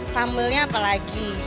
sambelnya apa lagi